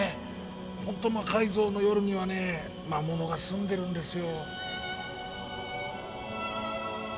ホント「魔改造の夜」にはね魔物がすんでるんですよ。